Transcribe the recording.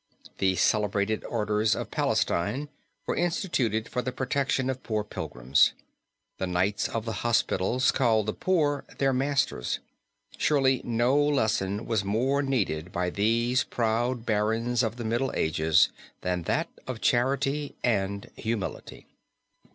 The celebrated orders of Palestine were instituted for the protection of poor pilgrims. The Knights of the hospitals called the poor their masters. Surely no lesson was more needed by these proud barons of the Middle Ages than that of charity and humility.